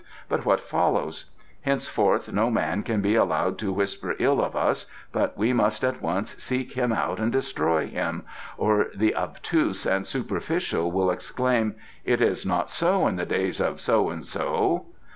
"But what follows? Henceforth no man can be allowed to whisper ill of us but we must at once seek him out and destroy him, or the obtuse and superficial will exclaim: 'It was not so in the days of of So and So.